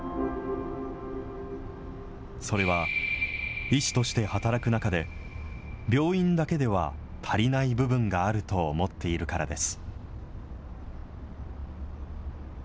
それは、医師として働く中で、病院だけでは足りない部分があると思っているからです。